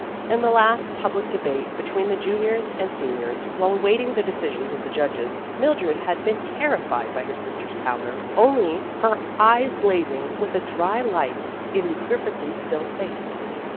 In the last public debate between the juniors and seniors, while awaiting the decision of the judges, Mildred had been terrified by her sister's pallor only her eyes blazing with a dry light in the per fectly still face.